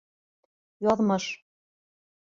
— Яҙмыш.